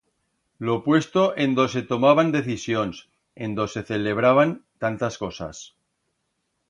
Lo puesto en do se tomaban decisions, en do se celebraban tantas cosas.